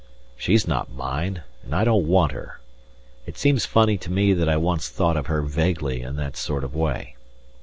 She's not mine, and I don't want her; it seems funny to me that I once thought of her vaguely in that sort of way.